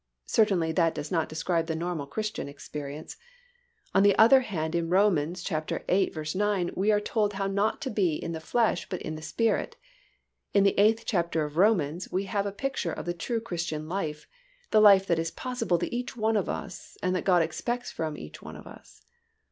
Certainly, that does not describe the normal Christian experience. On the other hand in Rom. viii. 9 we are told how not to be in the flesh but in the Spirit. In the eighth chapter of Romans we have a picture of the true Christian life, the life that is possible to each one of us and that God expects from each one of us.